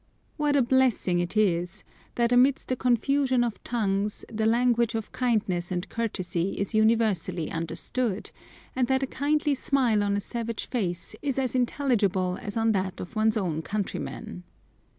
What a blessing it is that, amidst the confusion of tongues, the language of kindness and courtesy is universally understood, and that a kindly smile on a savage face is as intelligible as on that of one's own countryman!